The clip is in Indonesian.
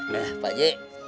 nah pak ji